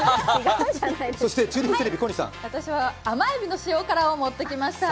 私は甘えびの塩辛を持ってきました。